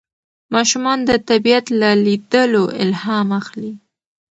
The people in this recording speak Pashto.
ماشومان د طبیعت له لیدلو الهام اخلي